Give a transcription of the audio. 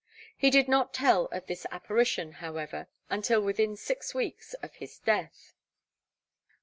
He did not tell of this apparition, however, until within six weeks of his death.